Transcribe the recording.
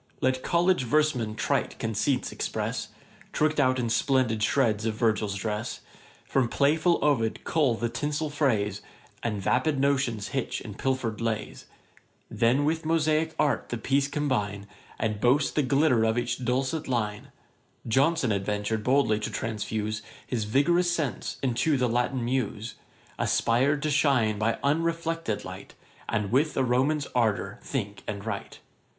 Let college verse men trite conceits express, Trick'd out in splendid shreds of Virgil's dress; From playful Ovid cull the tinsel phrase, And vapid notions hitch in pilfer'd lays: Then with mosaick art the piece combine, And boast the glitter of each dulcet line: Johnson adventur'd boldly to transfuse His vigorous sense into the Latian muse; Aspir'd to shine by unreflected light, And with a Roman's ardour think and write.